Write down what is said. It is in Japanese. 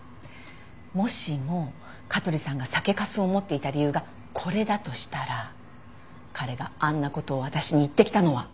もしも香取さんが酒粕を持っていた理由がこれだとしたら彼があんな事を私に言ってきたのは。